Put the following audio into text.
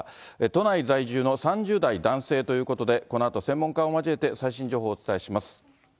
都内在住の３０代男性ということで、このあと専門家を交えて最新情報をお伝えします。